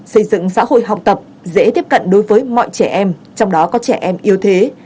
xây dựng xã hội học tập dễ tiếp cận đối với mọi trẻ em trong đó có trẻ em yêu thế